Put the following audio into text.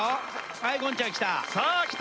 はいゴンちゃんきた。